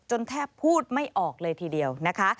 แทบพูดไม่ออกเลยทีเดียวนะคะ